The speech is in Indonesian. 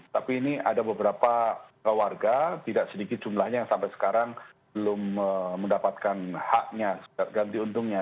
tapi ini ada beberapa warga tidak sedikit jumlahnya yang sampai sekarang belum mendapatkan haknya ganti untungnya